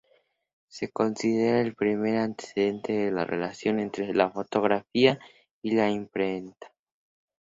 Se considera el primer antecedente de la relación entre la fotografía y la imprenta.